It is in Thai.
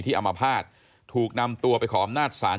อัมพาตถูกนำตัวไปขออำนาจศาล